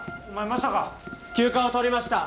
まさか休暇を取りました